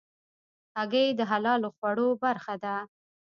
هګۍ د حلالو خوړو برخه ده.